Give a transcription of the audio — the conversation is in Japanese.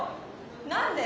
何で？